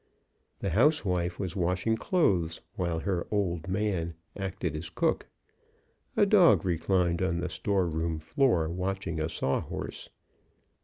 The housewife was washing clothes while her "old man" acted as cook. A dog reclined on the store room floor watching a saw horse.